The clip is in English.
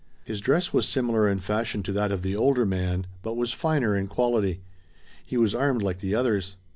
His dress was similar in fashion to that of the older man, but was finer in quality. He was armed like the others.